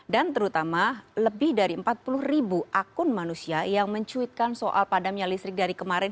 dan terutama lebih dari empat puluh ribu akun manusia yang mencuitkan soal padamnya listrik dari kemarin